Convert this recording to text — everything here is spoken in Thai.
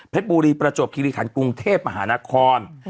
บุรีประจวบคิริขันกรุงเทพมหานคร